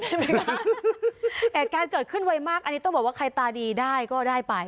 เหตุการณ์เกิดขึ้นไวมากอันนี้ต้องบอกว่าใครตาดีได้ก็ได้ไป